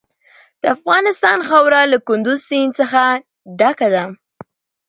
د افغانستان خاوره له کندز سیند څخه ډکه ده.